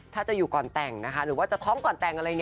ถ้าจะอยู่ก่อนแต่งนะคะหรือว่าจะท้องก่อนแต่งอะไรอย่างนี้